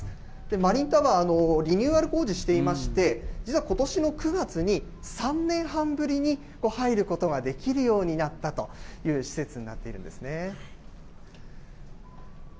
マリンタワー、リニューアル工事していまして、実はことしの９月に３年半ぶりに入ることができるようになったという施設になっているんですね。